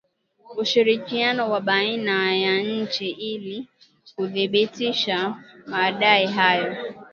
ushirikiano wa baina ya nchi ili kuthibitisha madai hayo